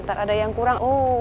ada yang kurang